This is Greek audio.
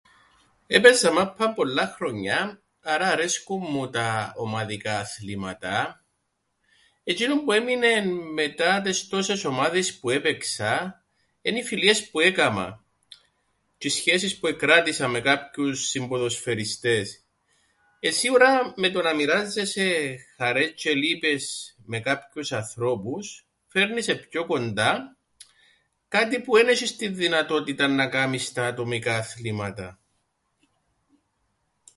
Έπαιζα μάππαν πολλά χρόνια, άρα αρέσκουν μου τα ομαδικά αθλήματα ε τζ̆είνον που έμεινεν μετά τες τόσες ομάδες που έπαιξα εν' οι φιλίες που έκαμα τζ̆αι οι σχέσεις που εκράτησα με κάποιους συμποδοσφαιριστές. Ε... σίουρα με το να μοιράζεσαι χαρές τζ̆αι λύπες με κάποιους ανθρώπους φέρνει σε πιο κοντά, κάτι που εν έσ̆εις την δυνατότηταν να κάμεις στα ατομικά αθλήματα.